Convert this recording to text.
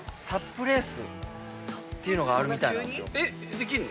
できんの？